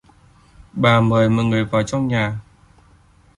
bà mời mọi người vào trong nhà